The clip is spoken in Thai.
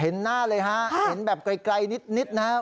เห็นหน้าเลยฮะเห็นแบบไกลนิดนะครับ